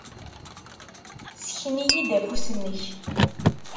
Ssken-iyi-d afus-nnek.